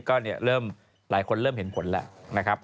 ก็เริ่มหลายคนเริ่มเห็นผลแล้วนะครับ